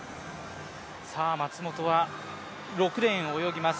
松元は６レーンを泳ぎます。